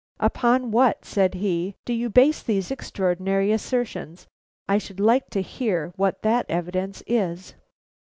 "Upon what," said he, "do you base these extraordinary assertions? I should like to hear what that evidence is."